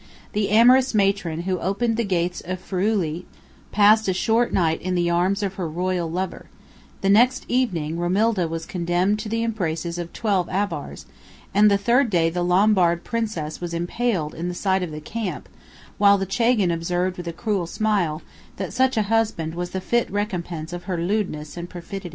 The amorous matron who opened the gates of Friuli passed a short night in the arms of her royal lover; the next evening, Romilda was condemned to the embraces of twelve Avars, and the third day the Lombard princess was impaled in the sight of the camp, while the chagan observed with a cruel smile, that such a husband was the fit recompense of her lewdness and perfidy.